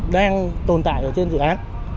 đang tồn tại trên dự án